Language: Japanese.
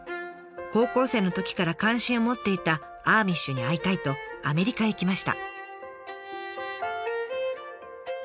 高校生のときから関心を持っていたアーミッシュに会いたいとアメリカへ行きました。